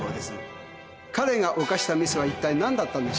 彼が犯したミスは一体なんだったんでしょうか。